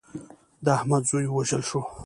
د احمد زوی ووژل شو.